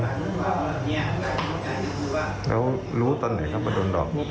แล้วรู้ตอนไหนครับดูลหลอกรู้ตอนที่บ้านถ่ายครับ